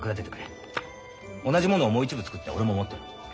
同じものをもう一部作って俺も持ってる。